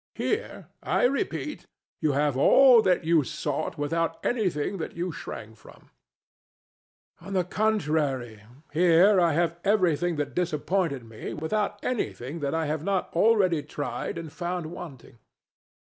Here, I repeat, you have all that you sought without anything that you shrank from. DON JUAN. On the contrary, here I have everything that disappointed me without anything that I have not already tried and found wanting.